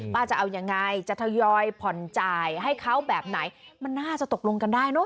จะเอายังไงจะทยอยผ่อนจ่ายให้เขาแบบไหนมันน่าจะตกลงกันได้เนอ